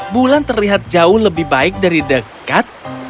bulan terlihat jauh lebih baik dari dekat